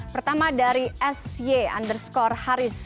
pertama dari sy underscore haris